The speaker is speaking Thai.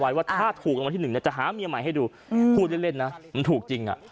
จะถูกรางวัลที่หนึ่งจะหามีย์ใหม่ให้ดูพูดเล่นนะถูกจริง